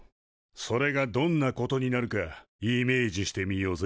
それがどんなことになるかイメージしてみようぜ。